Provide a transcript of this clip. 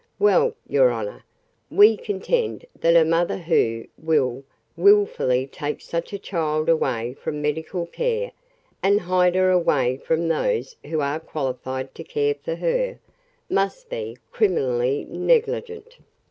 "Well, your honor, we contend that a mother who will wilfully take such a child away from medical care, and hide her away from those who are qualified to care for her, must be criminally negligent."